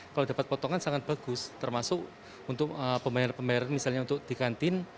kalau dapat potongan sangat bagus termasuk untuk pembayaran pembayaran misalnya untuk di kantin